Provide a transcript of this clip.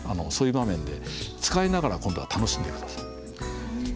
そういう場面で使いながら今度は楽しんで下さい。